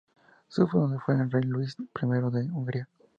Su fundador fue el rey Luis I de Hungría.